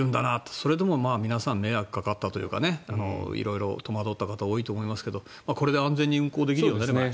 それでも皆さん長くかかったというか色々戸惑った方多いと思いますがこれで安全に運行できるようになれば。